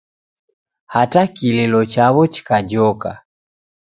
Hata kililo chaw'o chikajoka